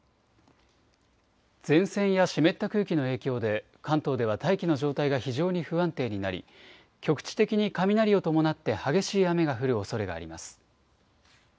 前線や湿った空気の影響で、関東では大気の状態が非常に不安定になり、局地的に雷を伴って激しい雨が降るおそれがあります。